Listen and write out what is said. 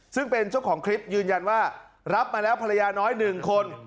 ซึ่งเป็นเจ้าของคลิปยืนยันว่ารับมาแล้วภรรยาน้อย๑คน